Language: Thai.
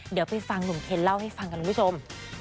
เดี๋ยวไปฟังหนุ่มเคนเล่าให้ฟังกันคุณผู้ชม